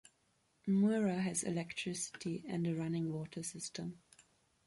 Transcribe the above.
Murra has electricity and a running water system.